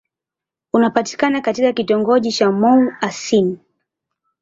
Unapatikana katika kitongoji cha Mouassine.